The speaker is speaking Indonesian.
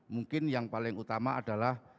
mungkin yang paling utama adalah